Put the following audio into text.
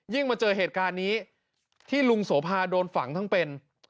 มาเจอเหตุการณ์นี้ที่ลุงโสภาโดนฝังทั้งเป็น